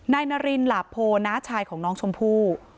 นายนารินหลาโพน้าชายของน้องชมพู่